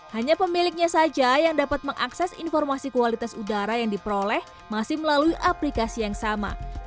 hanya pemiliknya saja yang dapat mengakses informasi kualitas udara yang diperoleh masih melalui aplikasi yang sama